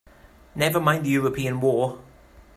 Never mind the European war!